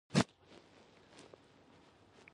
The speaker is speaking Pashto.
لپ سټک ګرزوم